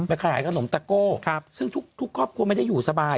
ขายขนมตะโก้ซึ่งทุกครอบครัวไม่ได้อยู่สบาย